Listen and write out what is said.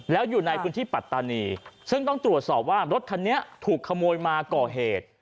แล้วอยู่ในพื้นที่ปัตตานีซึ่งต้องตรวจสอบว่ารถคันนี้ถูกขโมยมาก่อเหตุ